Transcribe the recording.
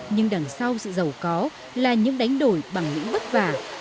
nhưng đằng sau sự giàu có là những đánh đổi bằng những bất vả